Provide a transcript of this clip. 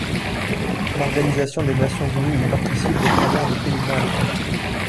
L'Organisation des Nations Unies y participe au travers de pays membres.